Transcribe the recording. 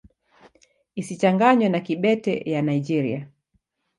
Isichanganywe na Kibete ya Nigeria.